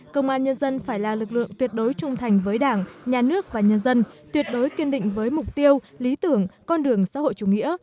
công an nhân dân phải là lực lượng tuyệt đối trung thành với đảng nhà nước và nhân dân tuyệt đối kiên định với mục tiêu lý tưởng con đường xã hội chủ nghĩa